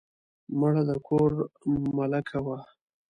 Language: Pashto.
مړه د کور ملکه وه